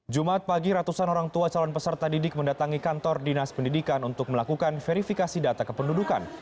jumat pagi ratusan orang tua calon peserta didik mendatangi kantor dinas pendidikan untuk melakukan verifikasi data kependudukan